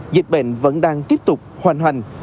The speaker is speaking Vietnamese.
dịch bệnh vẫn đang tiếp tục hoàn hành